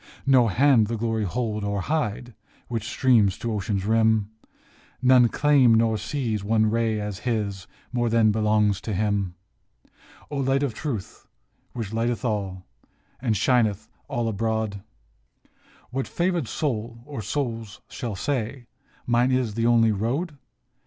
" No hand the glory hold or hide Which streams to ocean's rim, None claim or seize one ray as his More than belongs to him. O Light of Truth, which lighteneth all, And shineth all abroad, What favored soul or souls shall say, " Mine is the only road?